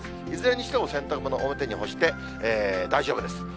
いずれにしても洗濯物、表に干して大丈夫です。